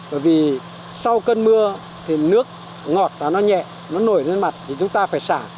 bởi vì sau cơn mưa thì nước ngọt và nó nhẹ nó nổi lên mặt thì chúng ta phải xả